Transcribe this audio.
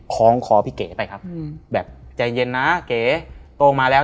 คล้องคอพี่เก๋ไปครับแบบใจเย็นนะเก๋โตมาแล้ว